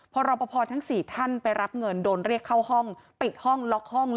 พอรอปภทั้ง๔ท่านไปรับเงินโดนเรียกเข้าห้องปิดห้องล็อกห้อง